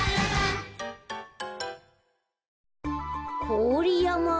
こおりやま？